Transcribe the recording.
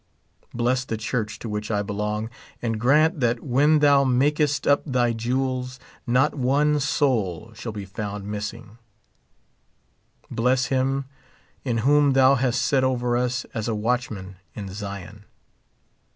Bless the church to which I belong, and grant that when thou makest up thy jewels not one soul shall be found missing. Bless him in whom thou hast set over us as a watchman in Zion.